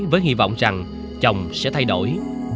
với hy vọng rằng chồng sẽ thay đổi